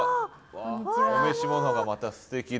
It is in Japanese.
お召し物がまたすてきで。